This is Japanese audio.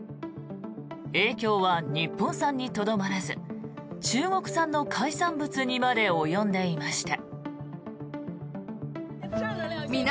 影響は日本産にとどまらず中国産の海産物にまで及んでいました。